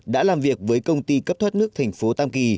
đã làm việc với công ty cấp thoát nước thành phố tam kỳ